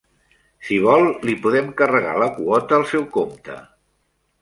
Si vol, li podem carregar la quota al seu compte.